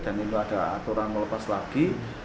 dan ini ada aturan melepas lagi